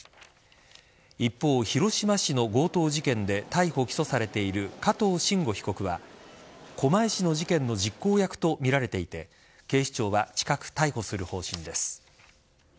一方、広島市の強盗事件で逮捕・起訴されている加藤臣吾被告は狛江市の事件の実行役とみられていて警視庁は近く逮捕する方針です。